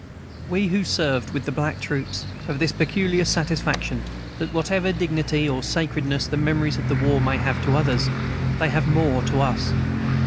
We who served with the black troops have this peculiar satisfaction, that, whatever dignity or sacredness the memories of the war may have to others, they have more to us.